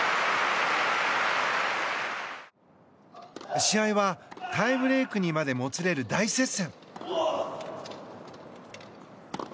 試合はタイブレークにまでもつれる大接戦。